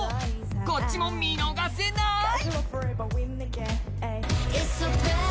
こっちも見逃せない！